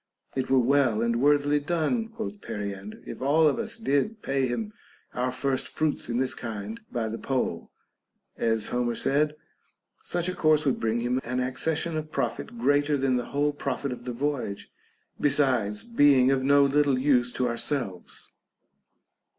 It were well and worthily done, quoth Periander, if all of us did pay him our first fruits in this kind by the poll (as Homer said). Such a course would bring him an accession of profit greater than the whole profit of the voyage, besides being of no little use to ourselves.